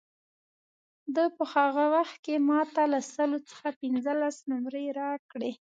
ده په هغه وخت کې ما ته له سلو څخه پنځلس نمرې راکړې.